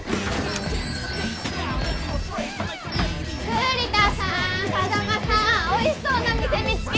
栗田さん風真さんおいしそうな店見つけ。